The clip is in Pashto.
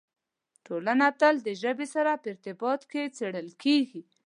ټولنه تل د ژبې سره په ارتباط کې څېړل کېږي.